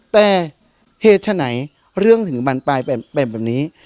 แต่เหตุฉะไหนเรื่องถึงบรรปลายเป็นแบบนี้